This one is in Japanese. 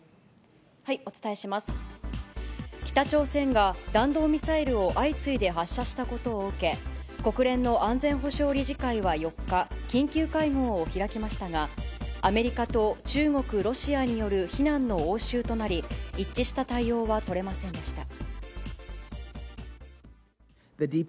北朝鮮が弾道ミサイルを相次いで発射したことを受け、国連の安全保障理事会は４日、緊急会合を開きましたが、アメリカと中国、ロシアによる非難の応酬となり、一致した対応は取れませんでした。